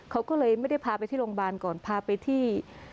เขาก็เลยไม่ได้พาไปที่โรงพยาบาลก่อนพาไปที่